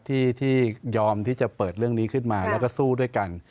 ที่ยอมที่จะเปิดเรื่องนี้ขึ้นมาแล้วก็สู้ด้วยกัน